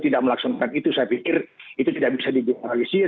tidak melaksanakan itu saya pikir itu tidak bisa dinetralisir